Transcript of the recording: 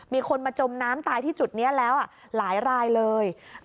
มีคนมาจมน้ำตายที่จุดนี้แล้วหลายรายเลย